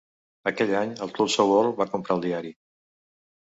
Aquell any el "Tulsa World" va comprar el diari.